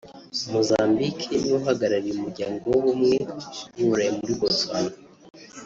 Mozambique n’uhagarariye Umuryango w’Ubumwe bw’u Burayi muri Botswana